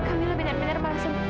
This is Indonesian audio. kak mila benar benar merasa